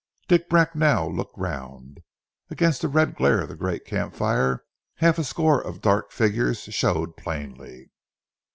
Dick Bracknell looked round. Against the red glare of the great camp fire half a score of dark figures showed plainly.